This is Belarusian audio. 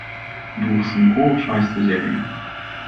Двух сынкоў часць узялі.